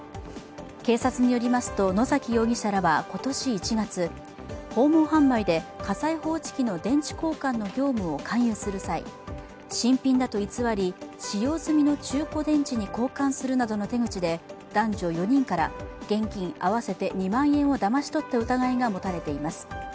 警察によりますと、野崎容疑者らは今年１月、訪問販売で火災警報器の電池交換の業務を勧誘する際、新品だと偽り、使用済みの中古電池に交換するなどの手口で男女４人から現金合わせて２万円をだまし取った疑いが持たれています。